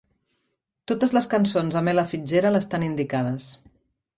Totes les cançons amb Ella Fitzgerald estan indicades.